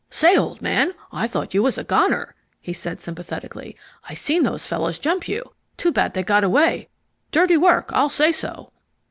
"Say, old man, I thought you was a goner," he said sympathetically. "I seen those fellows jump you. Too bad they got away. Dirty work, I'll say so."